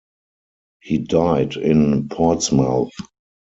He died in Portsmouth.